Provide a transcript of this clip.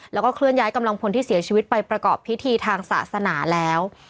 แล้วก็เคลื่อนย้ายกำลังพลที่เสียชีวิตไปประกอบพิธีทางศาสนาแล้ว